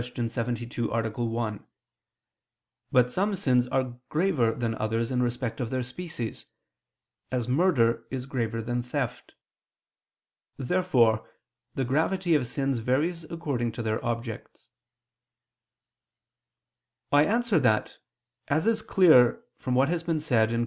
72, A. 1). But some sins are graver than others in respect of their species, as murder is graver than theft. Therefore the gravity of sins varies according to their objects. I answer that, As is clear from what has been said (Q.